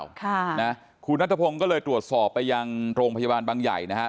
มาทิ้งหรือเปล่าคุณนัทพงศ์ก็เลยตรวจสอบไปยังโรงพยาบาลบางใหญ่นะครับ